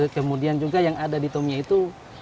kemudian juga yang ada di tomia itu